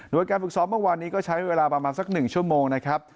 โดยการฝึกซ้อมเมื่อวานนี้ก็ใช้เวลาประมาณสัก๑ชั่วโมงนะครับ